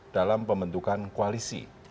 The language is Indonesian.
dalam pembentukan koalisi